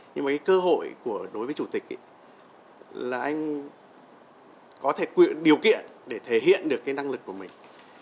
nhưng mà cái cơ hội đối với chủ tịch là anh có thể điều kiện để thể hiện được cái năng lực của mình